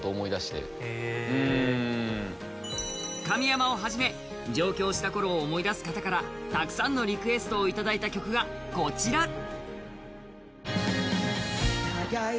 神山を始め上京した頃を思い出す方からたくさんのリクエストをいただいた曲がこちら。